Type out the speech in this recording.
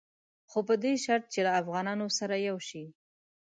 خو په دې شرط چې له افغانانو سره یو شي.